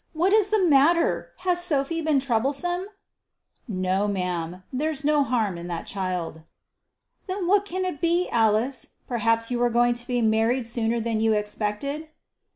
What is the matter? Has Sophy been troublesome?" "No, ma'am; there's no harm in that child." "Then what can it be, Alice? Perhaps you are going to be married sooner than you expected?"